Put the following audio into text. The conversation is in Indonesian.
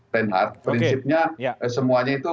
prinsipnya semuanya itu